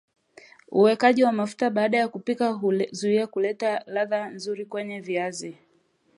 Uwekaji wa mafuta baada ya kupika huzuia huleta ladha nzuri kenye viazi